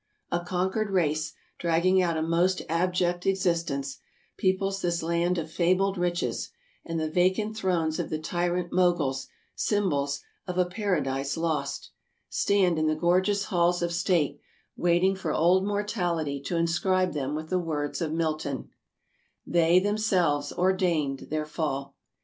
A conquered race, dragging out a most abject existence, peoples this land of fabled riches, and the vacant thrones of the tyrant Moguls, symbols of a " Para dise lost," stand in the gorgeous halls of state, waiting for Old Mortality to inscribe them with the words of Milton — "They themselves ordained their fall."